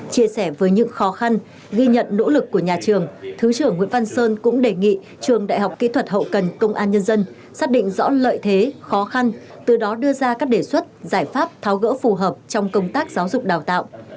chia sẻ với những khó khăn ghi nhận nỗ lực của nhà trường thứ trưởng nguyễn văn sơn cũng đề nghị trường đại học kỹ thuật hậu cần công an nhân dân xác định rõ lợi thế khó khăn từ đó đưa ra các đề xuất giải pháp tháo gỡ phù hợp trong công tác giáo dục đào tạo